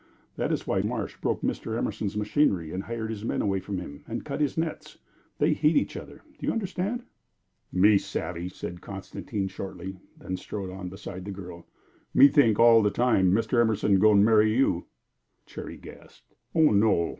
That is why Marsh broke Mr. Emerson's machinery, and hired his men away from him, and cut his nets. They hate each other do you understand?" "Me savvy!" said Constantine shortly, then strode on beside the girl. "Me think all the time Mr. Emerson goin' marry you." Cherry gasped. "No, no!